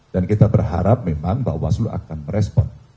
dan kita berharap memang pak waslu akan merespon